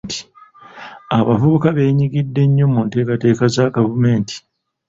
Abavubuka beenyigidde nnyo mu nteekateeka za gavumenti.